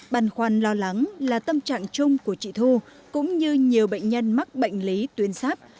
băn khoăn lo lắng là tâm trạng chung của chị thu cũng như nhiều bệnh nhân mắc bệnh lý tuyến sáp